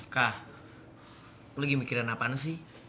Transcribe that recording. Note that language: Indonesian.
kak lagi mikiran apaan sih